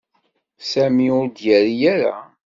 Sami ur d-yerri ara.